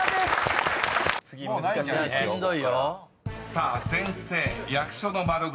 ［さあ「先生」「役所の窓口」］